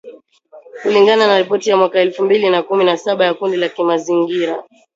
kulingana na ripoti ya mwaka elfu mbili na kumi na saba ya kundi la kimazingira